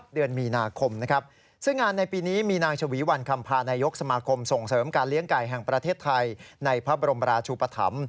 เดือนมีนาคมนะครับซึ่งงานในปีนี้มีนางชวีวันคำพานายกสมาคมส่งเสริมการเลี้ยงไก่แห่งประเทศไทยในพระบรมราชุปธรรม